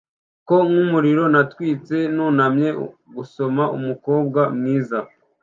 ko nkumuriro natwitse; Nunamye gusoma Umukobwa mwiza